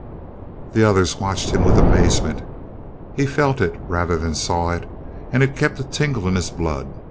The others watched him with amazement. He felt it rather than saw it, and it kept a tingle in his blood.